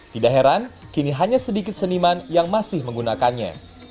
tidak heran kini hanya sedikit seniman yang masih menggunakannya